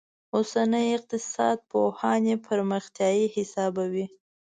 اوسني اقتصاد پوهان یې پرمختیايي حسابوي.